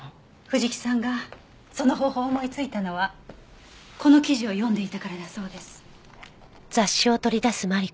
藤木さんがその方法を思いついたのはこの記事を読んでいたからだそうです。